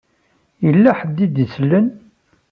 Yella ḥedd i d-isellen.